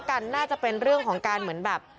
กันน่าจะเป็นเรื่องของการเหมือนแบบ